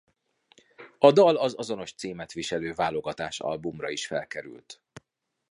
A dal az azonos címet viselő válogatás albumra is felkerült.